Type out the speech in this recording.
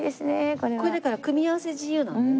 これだから組み合わせ自由なんだよね